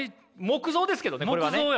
木像ですけどねこれはね。